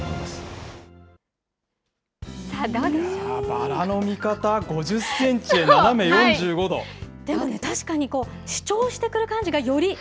バラの見方、でもね、確かに主張してくる感じがより。